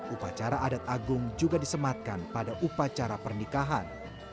upacara adat agung juga disematkan pada upacara pernikahan